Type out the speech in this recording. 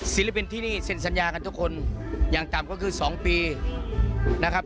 ศิลปินที่นี่เซ็นสัญญากันทุกคนอย่างต่ำก็คือ๒ปีนะครับ